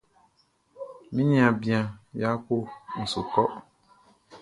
Mi niaan bian Yako n su kɔ.